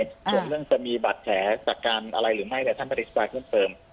ส่วนเรื่องจะมีบาดแผลจากการอะไรหรือไม่แต่ท่านปฏิสภาพย่งเติม